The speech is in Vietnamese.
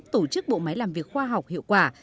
tổ chức bộ máy làm việc khoa học hiệu quả